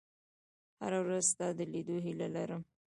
• هره ورځ ستا د لیدو هیله لرم.